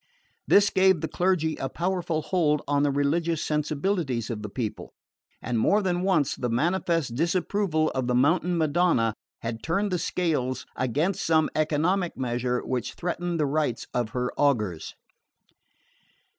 This gave the clergy a powerful hold on the religious sensibilities of the people; and more than once the manifest disapproval of the Mountain Madonna had turned the scales against some economic measure which threatened the rights of her augurs.